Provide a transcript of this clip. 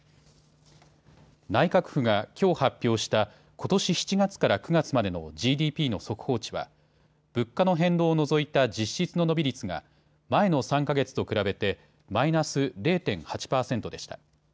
内閣府がきょう発表したことし７月から９月までのＧＤＰの速報値は物価の変動を除いた実質の伸び率が前の３か月と比べて、マイナス０．８％でした。